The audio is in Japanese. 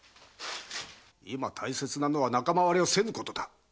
今大切なのは仲間割れをせぬことだ。